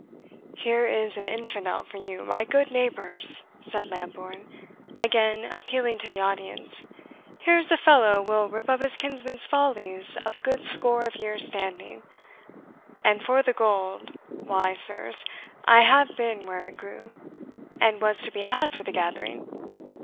"Here is an infidel for you, my good neighbours!" said Lambourne, again appealing to the audience. "Here's a fellow will rip up his kinsman's follies of a good score of years' standing. And for the gold, why, sirs, I have been where it grew, and was to be had for the gathering.